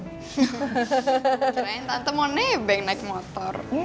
cuman tante mau nebek naik motor